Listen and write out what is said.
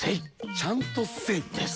ちゃんとせい？です。